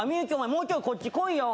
もうちょいこっち来いよ